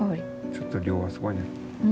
ちょっと量がすごいね。